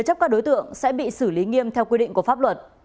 chấp các đối tượng sẽ bị xử lý nghiêm theo quy định của pháp luật